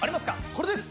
これです！